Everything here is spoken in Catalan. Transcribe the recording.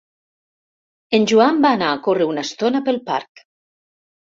En Joan va anar a córrer una estona pel parc.